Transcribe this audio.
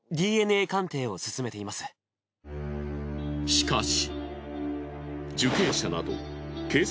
しかし。